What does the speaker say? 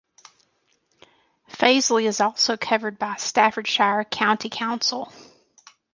Fazeley is also covered by Staffordshire County Council.